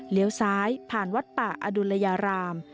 เลี้ยวซ้ายผ่านวัดป่าอดุลยาราม